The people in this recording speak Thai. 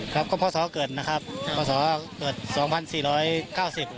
ครับก็เพราะสาวเกิดนะครับเพราะสาวเกิด๒๔๙๐ครับ